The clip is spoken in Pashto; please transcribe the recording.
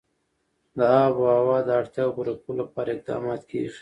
د آب وهوا د اړتیاوو پوره کولو لپاره اقدامات کېږي.